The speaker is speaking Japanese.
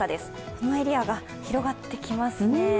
このエリアが広がってきますね。